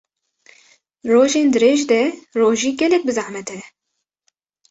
rojên dirêj de rojî gelek bi zehmet e